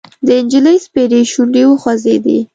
د نجلۍ سپېرې شونډې وخوځېدې: